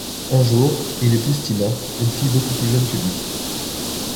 Un jour, il épouse Tina, une fille beaucoup plus jeune que lui.